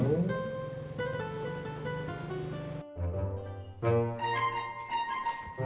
ini kok air matanya